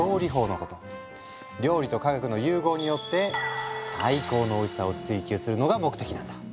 料理と科学の融合によって最高のおいしさを追求するのが目的なんだ。